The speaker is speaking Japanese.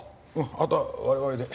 あとは我々で。